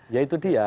ya itu dia